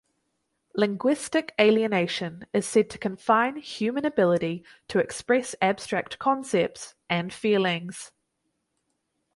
Linguistic alienation is said to confine human ability to express abstract concepts and feelings.